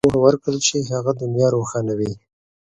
که ماشوم ته پوهه ورکړل شي، هغه دنیا روښانوي.